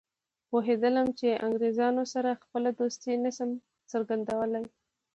پوهېدلم چې له انګریزانو سره خپله دوستي نه شم څرګندولای.